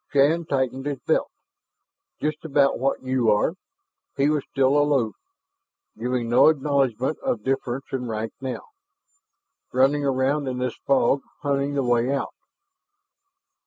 Shann tightened his belt. "Just about what you are." He was still aloof, giving no acknowledgment of difference in rank now. "Running around in this fog hunting the way out."